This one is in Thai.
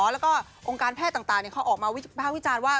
แล้วก็องค์การแพทย์ต่างเขาออกมาวิภาควิจารณ์ว่า